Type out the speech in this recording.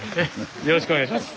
よろしくお願いします。